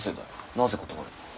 なぜ断る？